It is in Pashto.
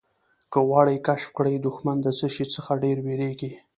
که غواړې کشف کړې دښمن د څه شي څخه ډېر وېرېږي.